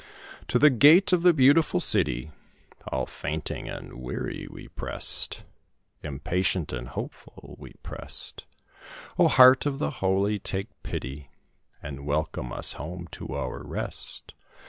To the gate of the Beautiful City, All fainting and weary we pressed, Impatient and hopeful we pressed. "O, Heart of the Holy, take pity, And welcome us home to our rest!